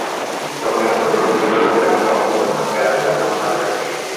যখনই স্কুল থেকে দীর্ঘ ছুটি পেতাম তখনই বেড়াতে যেতাম তাঁদের কাছে।